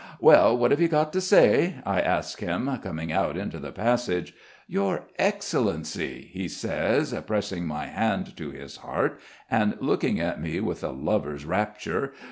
"Well, what have you got to say?" I ask him, coming out into the passage. "Your Excellency!" he says, pressing his hand to his heart and looking at me with a lover's rapture.